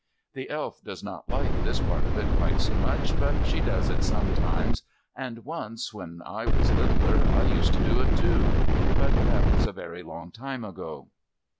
The Elf does not like this part of it quite so much, but she does it sometimes, and once, when I was littler, I used to do it, too. But that was a very long time ago.